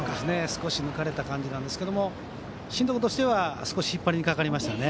少し抜かれた感じですが進藤君としては、少し引っ張りにかかりましたよね。